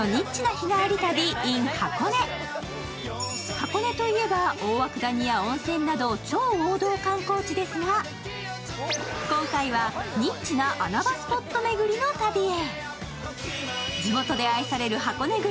箱根といえば、大涌谷や温泉など超王道観光地ですが、今回はニッチな穴場スポット巡りの旅へ。